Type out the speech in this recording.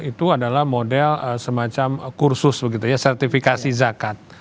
itu adalah model semacam kursus begitu ya sertifikasi zakat